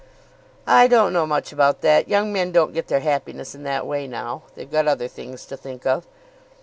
"I don't know much about that. Young men don't get their happiness in that way now. They've got other things to think of."